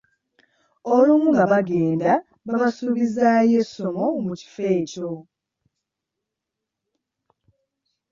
Olumu nga bagenda babasuubizaayo essomo mu kifo ekyo.